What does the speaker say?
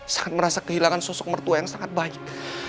sangat merasa kehilangan sosok mertua yang sangat baik